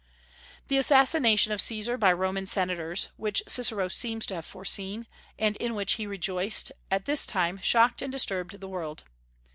The assassination of Caesar by Roman senators, which Cicero seems to have foreseen, and in which he rejoiced, at this time shocked and disturbed the world.